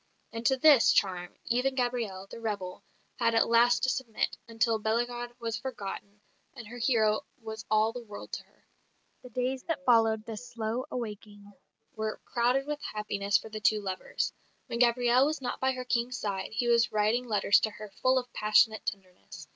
And to this charm even Gabrielle, the rebel, had at last to submit, until Bellegarde was forgotten, and her hero was all the world to her. The days that followed this slow awaking were crowded with happiness for the two lovers; when Gabrielle was not by her King's side, he was writing letters to her full of passionate tenderness.